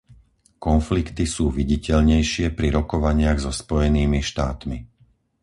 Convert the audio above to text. Konflikty sú viditeľnejšie pri rokovaniach so Spojenými štátmi.